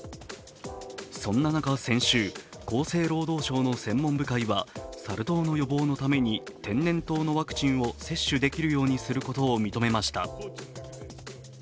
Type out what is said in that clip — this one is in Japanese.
そんな中、先週、厚生労働省の専門部会はサル痘の予防のために天然痘のワクチンを接種できるようにすることを認めました。